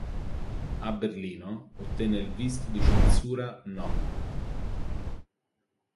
A Berlino, ottenne il visto di censura No.